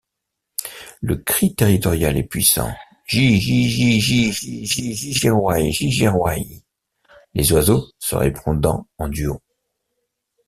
Le cri territorial est puissant, gi-gi-gi-gi-gi-gigeeroi-gigeeroii, les oiseaux se répondant en duo.